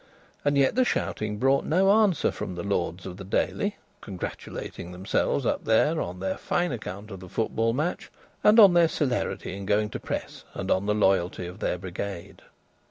And yet the shouting brought no answer from the lords of the Daily, congratulating themselves up there on their fine account of the football match, and on their celerity in going to press and on the loyalty of their brigade.